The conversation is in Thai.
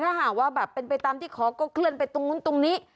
ถ้าหากว่าแบบเป็นไปตามที่ขอก็เคลื่อนไปตรงนู้นตรงนี้